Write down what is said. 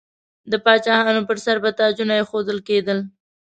د پاچاهانو پر سر به تاجونه ایښودل کیدل.